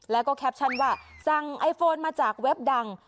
แล้วก็แคปชั่นว่าสั่งไอโฟนมาจากเว็บดัง